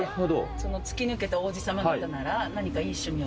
突き抜けた王子様方なら、何かいい趣味を。